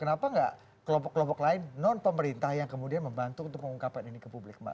kenapa nggak kelompok kelompok lain non pemerintah yang kemudian membantu untuk mengungkapkan ini ke publik mbak